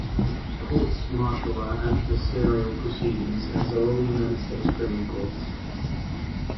Courts-martial are adversarial proceedings, as are all United States criminal courts.